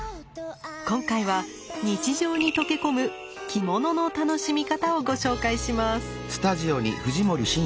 今回は日常に溶け込む着物の楽しみ方をご紹介します。